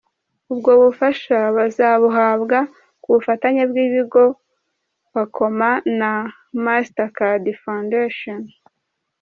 Ubwo bufasha bazabuhabwa ku bufatanye bw’ibigo Akoma na Mastercard Foundation.